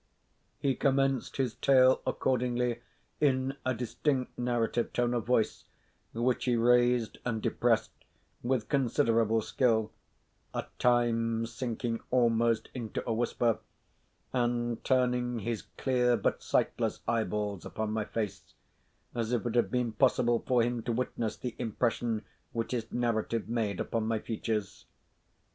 He commenced his tale accordingly, in a distinct narrative tone of voice, which he raised and depressed with considerable skill; at times sinking almost into a whisper, and turning his clear but sightless eyeballs upon my face, as if it had been possible for him to witness the impression which his narrative made upon my features.